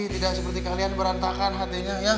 tidak seperti kalian berantakan hatinya ya